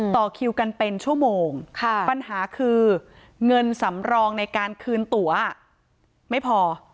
ต่อคิวกันเป็นชั่วโมงปัญหาคือเงินสำรองในการคืนตั๋วไม่พอ